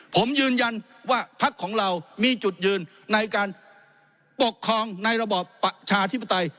ผมยืนยันว่าภักดิ์ของเรามีจุดยืนในการปกครองในระบอบประชาธิปไตย